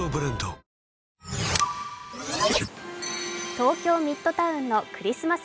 東京ミッドタウンのクリスマス